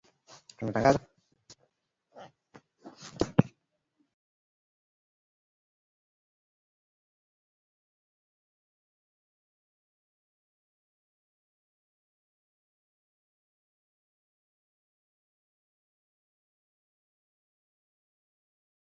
afisa mwandamizi wa utawala aliwaambia waandishi wa habari